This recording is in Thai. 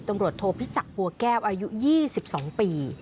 ตำรวจโทพิจักรบัวแก้วอายุ๒๒ปี